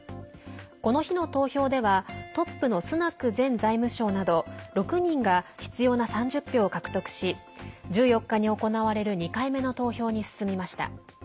この日の投票ではトップのスナク前財務相など６人が必要な３０票を獲得し１４日に行われる２回目の投票に進みました。